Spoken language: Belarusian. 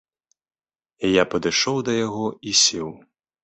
Я падышоў да яго і сеў.